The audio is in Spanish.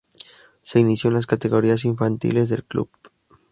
Se inició en las categorías infantiles del club.